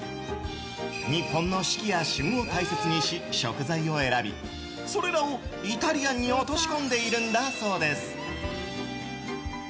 日本の四季や旬を大切にし食材を選びそれらをイタリアンに落とし込んでいるんだそうです。